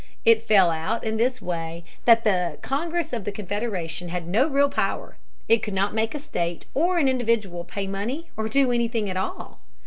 It fell out in this way that the Congress of the Confederation had no real power. It could not make a state or an individual pay money or do anything at all.